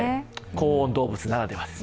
恒温動物ならではです。